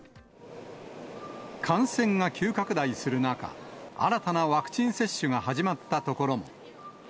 感染が急拡大する中、新たなワクチン接種が始まったところも。